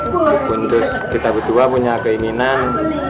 kemudian kita berdua punya keinginan